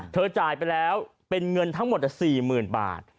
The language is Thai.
จ่ายไปแล้วเป็นเงินทั้งหมด๔๐๐๐บาท